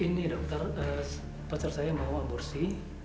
ini dokter pacar saya bawa aborsi